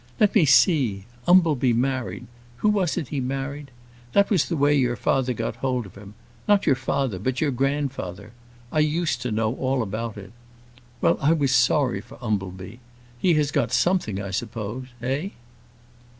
Let me see: Umbleby married who was it he married? That was the way your father got hold of him; not your father, but your grandfather. I used to know all about it. Well, I was sorry for Umbleby. He has got something, I suppose eh?"